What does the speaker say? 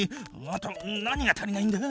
あと何が足りないんだ？